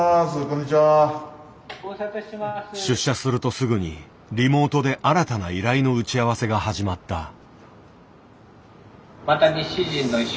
出社するとすぐにリモートで新たな依頼の打ち合わせが始まった。